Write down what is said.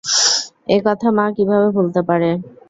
এ কথা মা কিভাবে ভুলতে পারে?